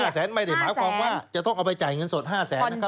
แสนไม่ได้หมายความว่าจะต้องเอาไปจ่ายเงินสด๕แสนนะครับ